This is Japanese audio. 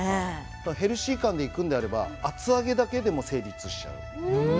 ヘルシー感でいくのであれば厚揚げだけでも成立しちゃう。